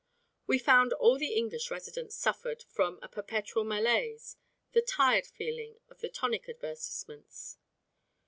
We found all the English residents suffered from a perpetual malaise, the "tired feeling" of the tonic advertisements.